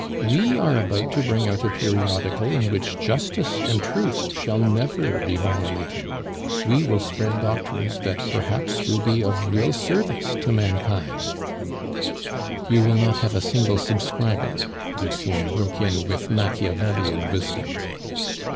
We are about to bring out a periodical in which justice and truth shall never be violated; we will spread doctrines that, perhaps, will be of real service to mankind " "You will not have a single subscriber," Lucien broke in with Machiavellian wisdom.